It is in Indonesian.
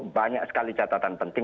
banyak sekali catatan penting